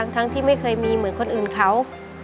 ที่ไม่เคยมีเหมือนคนอื่นเขา